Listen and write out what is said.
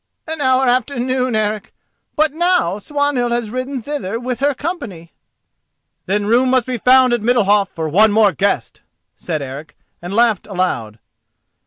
"An hour after noon, Eric; but now Swanhild has ridden thither with her company." "Then room must be found at Middalhof for one more guest," said Eric, and laughed aloud.